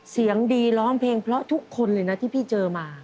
เสียงดีร้องเพลงเพราะทุกคนเลยนะที่พี่เจอมา